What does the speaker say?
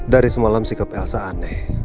dari semalam sikap elsa aneh